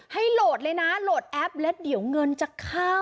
โหลดเลยนะโหลดแอปแล้วเดี๋ยวเงินจะเข้า